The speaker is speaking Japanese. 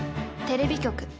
［テレビ局。